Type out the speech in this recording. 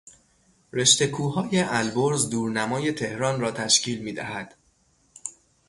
رشته کوههای البرز دورنمای تهران را تشکیل میدهد.